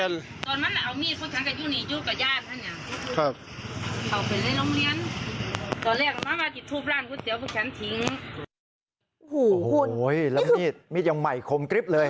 โอ้โหคุณแล้วมีดยังใหม่คมกริ๊บเลย